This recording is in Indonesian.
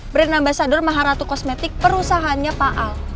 brand ambasador maharatu kosmetik perusahaannya pak al